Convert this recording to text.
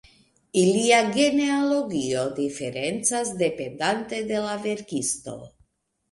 Ilia genealogio diferencas dependante de la verkisto.